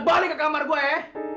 gak usah balik ke kamar gua ya